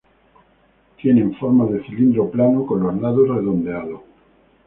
Tienen forma de cilindro plano con los lados redondeados.